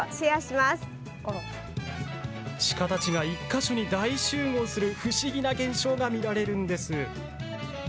鹿たちが１か所に大集合する不思議な現象が見られるんです。